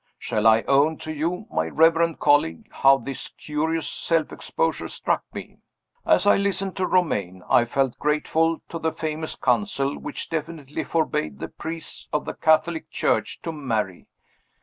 Shall I own to you, my reverend colleague, how this curious self exposure struck me? As I listened to Romayne, I felt grateful to the famous Council which definitely forbade the priests of the Catholic Church to marry.